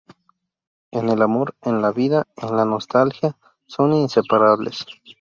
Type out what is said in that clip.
En el amor, en la vida, en la nostalgia, son inseparables.